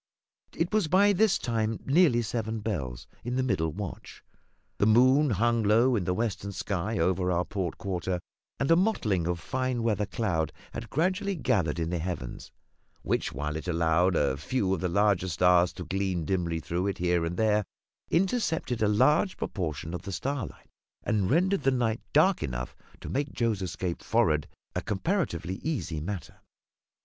It was by this time nearly seven bells in the middle watch; the moon hung low in the western sky over our port quarter, and a mottling of fine weather cloud had gradually gathered in the heavens, which, while it allowed a few of the larger stars to gleam dimly through it here and there, intercepted a large proportion of the starlight, and rendered the night dark enough to make Joe's escape forward a comparatively easy matter.